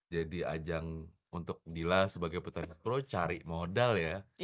jadi ajang untuk dila sebagai potential pro cari modal ya